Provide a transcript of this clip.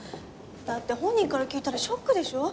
だって本人から聞いたらショックでしょ。